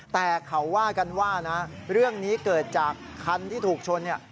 แต่เขาว่ากันว่านะเรื่องนี้เกิดจากคันที่ถูกชนเนี่ย